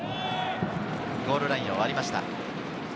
ゴールラインを割りました。